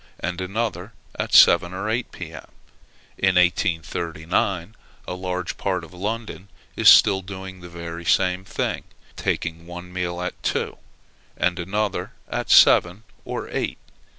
and another at seven or eight, P.M. In 1839, a large part of London is still doing the very same thing, taking one meal at two, and another at seven or eight.